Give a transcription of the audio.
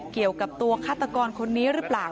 เกี่ยวกับตัวฆาตกรคนนี้หรือเปล่า